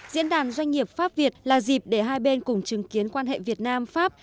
diễn đàn doanh nghiệp pháp việt là dịp để hai bên cùng chứng kiến quan hệ việt nam pháp